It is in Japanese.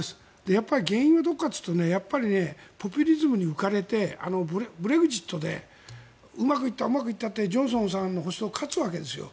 やっぱり原因はどこかというとポピュリズムに浮かれてブレグジットでうまくいったうまくいったってジョンソンさんの保守党が勝つわけですよ。